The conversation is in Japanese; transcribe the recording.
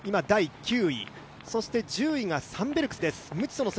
そして１０位がサンベルクスです。